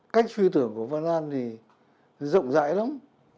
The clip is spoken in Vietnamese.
cách suy tưởng của vân đan thì rộng rãi lắm